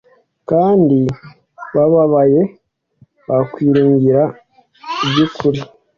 kandi bababaye, bamwiringiraga by'ukuri.